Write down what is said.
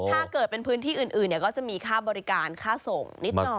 ถ้าเกิดเป็นพื้นที่อื่นก็จะมีค่าบริการค่าส่งนิดหน่อย